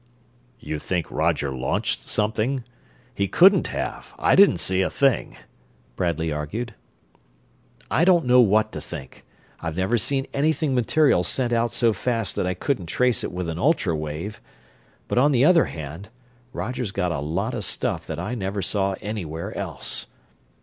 "You think Roger launched something? He couldn't have I didn't see a thing," Bradley argued. "I don't know what to think. I've never seen anything material sent out so fast that I couldn't trace it with an ultra wave but on the other hand, Roger's got a lot of stuff that I never saw anywhere else.